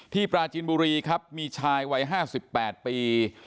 ปราจินบุรีครับมีชายวัย๕๘ปี